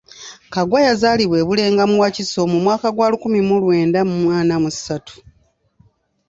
Kaggwa yazaalibwa e Bulenga mu Wakiso mu mwaka gwa lukumi mu lwenda mu ana mu ssatu.